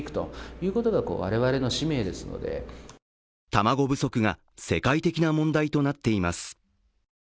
卵不足が世界的な問題となっています。